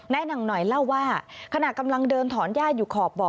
หนังหน่อยเล่าว่าขณะกำลังเดินถอนย่าอยู่ขอบบ่อ